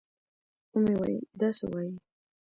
ومې ويل دا څه وايې.